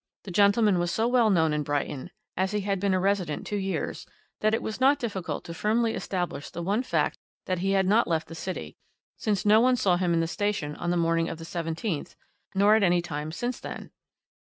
The gentleman was so well known in Brighton as he had been a resident two years that it was not difficult to firmly establish the one fact that he had not left the city, since no one saw him in the station on the morning of the 17th, nor at any time since then.